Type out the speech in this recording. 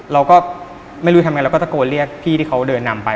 เราก็ไม่รู้ทำไงเราก็ตะโกนเรียกพี่ที่เขาเดินนำไป